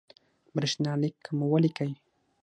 برېښنالک مو ولیکئ